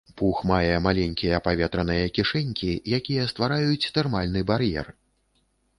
Пух мае маленькія паветраныя кішэнькі, якія ствараюць тэрмальны бар'ер.